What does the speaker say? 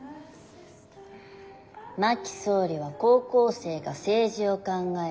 真木総理は高校生が政治を考える